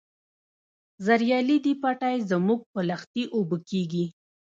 زریالي دي پټی زموږ په لښتي اوبه کیږي.